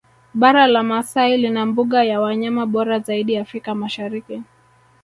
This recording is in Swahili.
Bara la Maasai lina mbuga ya wanyama bora zaidi Afrika Mashariki